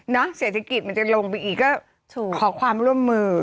เศรษฐกิจมันจะลงไปอีกก็ขอความร่วมมือ